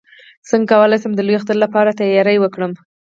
څنګه کولی شم د لوی اختر لپاره تیاری وکړم